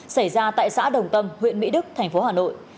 xảy ra tại xã đồng tâm huyện mỹ đức tp hà nội